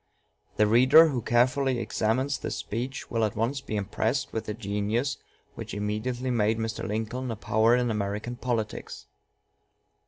The reader who carefully examines this speech will at once be impressed with the genius which immediately made Mr. Lincoln a power in American politics.